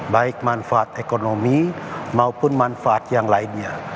baik manfaat ekonomi maupun manfaat yang lainnya